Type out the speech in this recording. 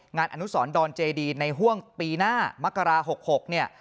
อนุสรดอนเจดีในห่วงปีหน้ามกรา๖๖เนี่ย